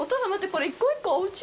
これ、一個一個、おうち？